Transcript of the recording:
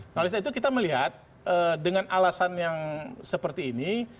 nah oleh sebab itu kita melihat dengan alasan yang seperti ini